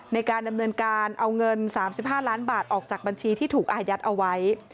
ในการดำเนินการเอาเงิน๓๕ล้านบาทออกจากบัญชีที่ถูกอายัดเอาไว้